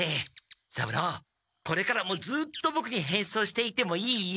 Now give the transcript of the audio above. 三郎これからもずっとボクに変装していてもいいよ。